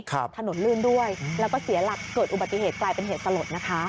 ถนนลื่นด้วยแล้วก็เสียหลักเกิดอุบัติเหตุกลายเป็นเหตุสลดนะคะ